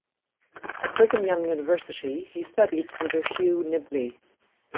At Brigham Young University, he studied under Hugh Nibley.